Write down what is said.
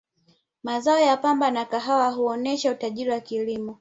mazao ya pamba na kahawa huonesha utajiri wa kilimo